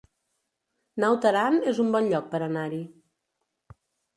Naut Aran es un bon lloc per anar-hi